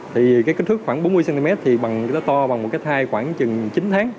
thì cái kích thước khoảng bốn mươi cm thì nó to bằng một cái thai khoảng chừng chín tháng